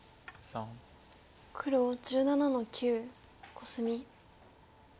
黒１７の九コスミ。